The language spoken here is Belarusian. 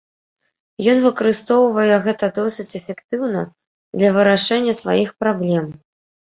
Ён выкарыстоўвае гэта досыць эфектыўна для вырашэння сваіх праблем.